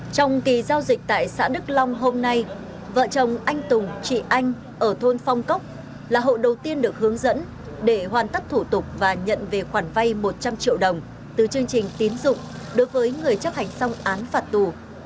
trong kỳ giao dịch tại xã đức long hôm nay vợ chồng anh tùng chị anh ở thôn phong cốc là hộ đầu tiên được hướng dẫn để hoàn tất thủ tục và nhận về khoản vay một trăm linh triệu đồng từ chương trình tín dụng đối với người chấp hành xong án phạt tù